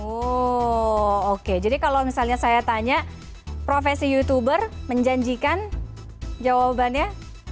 oh oke jadi kalau misalnya saya tanya profesi youtuber menjanjikan jawabannya